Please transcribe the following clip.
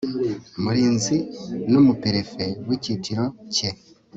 mulinzi numu perefe wicyiciro cye